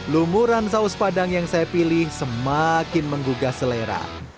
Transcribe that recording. lumuran saus padang yang saya pilih semakin menggugah selera